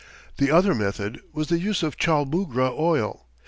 The other method was the use of chaulmoogra oil.